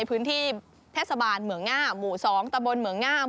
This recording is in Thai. พื้นที่เทศบาลเหมืองง่าหมู่๒ตะบนเหมืองง่าม